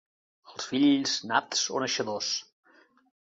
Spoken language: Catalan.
Els fills nats o naixedors.